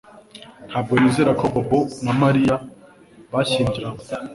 Ntabwo nizera ko Bobo na Mariya bashyingiranywe